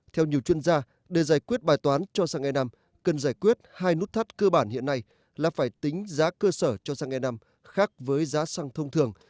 theo nhiều chuyên gia để giải quyết bài toán cho xăng e năm cần giải quyết hai nút thắt cơ bản hiện nay là phải tính giá cơ sở cho xăng e năm khác với giá xăng thông thường